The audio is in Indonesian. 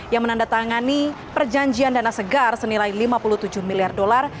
yang menandatangani perjanjian dana segar senilai lima puluh tujuh miliar dolar